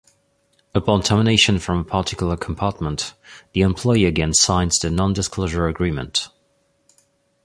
Upon termination from a particular compartment, the employee again signs the nondisclosure agreement.